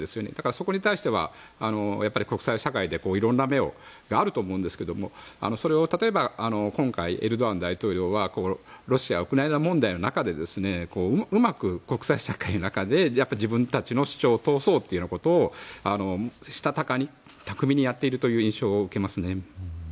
そこに対しては国際社会でいろんな面があると思うんですけどそれを、例えば今回エルドアン大統領はロシア、ウクライナ問題の中でうまく国際社会の中で自分たちの主張を通そうということをしたたかに、巧みにやっている印象を受けますね。